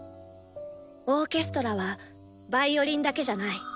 「オーケストラはヴァイオリンだけじゃない。